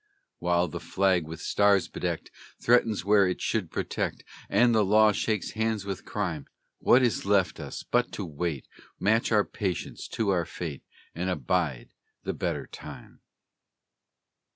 While the flag with stars bedecked Threatens where it should protect, And the Law shakes hands with Crime, What is left us but to wait, Match our patience to our fate, And abide the better time?